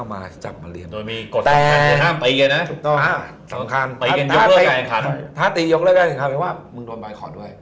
สำคัญไปกันนะสำคัญไปกันยกเลือกกันถ้าตียกเลือกกันคือคำว่ามึงโดนบอยคอร์ดด้วย